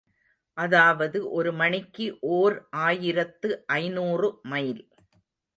அதாவது, ஒரு மணிக்கு ஓர் ஆயிரத்து ஐநூறு மைல்.